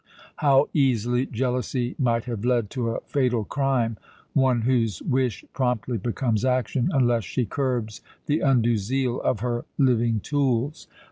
How easily jealousy might have led to a fatal crime one whose wish promptly becomes action, unless she curbs the undue zeal of her living tools!